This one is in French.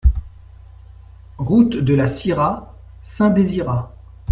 Route de la Syrah, Saint-Désirat